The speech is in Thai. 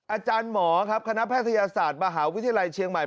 อาจารย์หมอครับคณะแพทยศาสตร์มหาวิทยาลัยเชียงใหม่